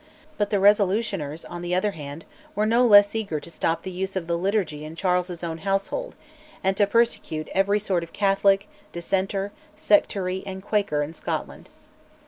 But the Resolutioners, on the other hand, were no less eager to stop the use of the liturgy in Charles's own household, and to persecute every sort of Catholic, Dissenter, Sectary, and Quaker in Scotland.